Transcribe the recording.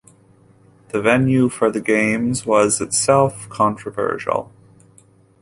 The venue for the games was itself controversial.